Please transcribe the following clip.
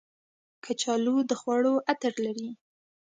کچالو د خوړو عطر لري